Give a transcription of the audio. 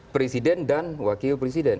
presiden dan wakil presiden